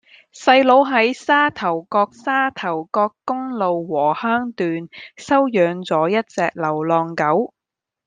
細佬喺沙頭角沙頭角公路禾坑段收養左一隻流浪狗